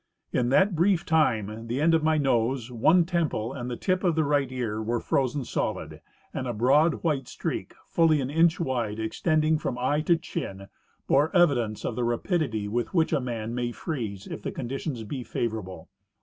In that brief time the end of my nose, one temple and the tip of the right ear were frozen solid, and a broad white streak fully an inch wide, extending from eye to chin, bore evidence qf the rapidity with which a man may freeze if the conditions be favorable.